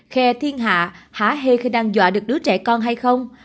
kè thiên hạ hả hê khi đang dọa được đứa trẻ con hay không